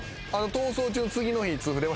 『逃走中』の。